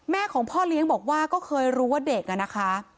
ของพ่อเลี้ยงบอกว่าก็เคยรู้ว่าเด็กอะนะคะ